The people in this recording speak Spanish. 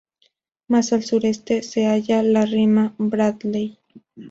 Más al sureste se halla la Rima Bradley.